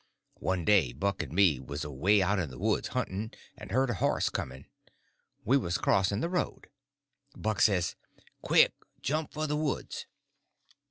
One day Buck and me was away out in the woods hunting, and heard a horse coming. We was crossing the road. Buck says: "Quick! Jump for the woods!"